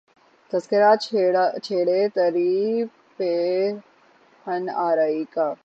تذکرہ چھیڑے تری پیرہن آرائی کا